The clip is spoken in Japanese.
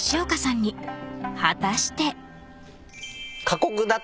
［果たして？］